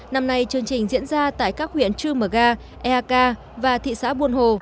năm nay chương trình diễn ra tại các huyện trư mờ ga eakar và thị xã buôn hồ